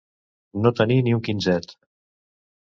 No tenir ni un quinzet.